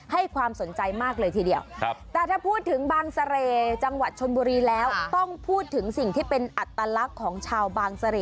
ให้ความสนใจมากเลยทีเดียวแต่ถ้าพูดถึงบางเสร่จังหวัดชนบุรีแล้วต้องพูดถึงสิ่งที่เป็นอัตลักษณ์ของชาวบางเสร่